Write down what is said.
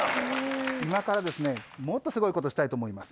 今からですね、もっとすごいことをしたいと思います。